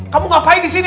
kamu ngapain di sini